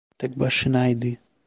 Tek başınaydı.